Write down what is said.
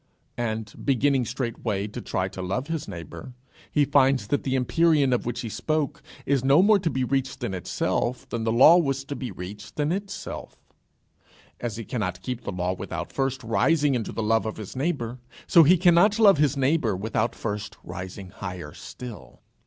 And, beginning straightway to try to love his neighbour, he finds that the empyrean of which he spoke is no more to be reached in itself than the law was to be reached in itself. As he cannot keep the law without first rising into the love of his neighbour, so he cannot love his neighbour without first rising higher still.